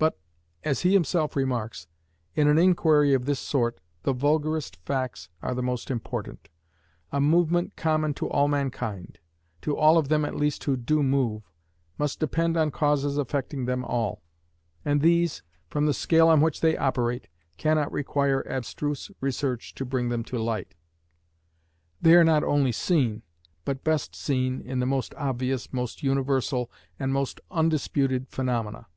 But (as he himself remarks) in an inquiry of this sort the vulgarest facts are the most important. A movement common to all mankind to all of them at least who do move must depend on causes affecting them all; and these, from the scale on which they operate, cannot require abstruse research to bring them to light: they are not only seen, but best seen, in the most obvious, most universal, and most undisputed phaenomena.